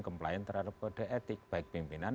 komplain terhadap kode etik baik pimpinan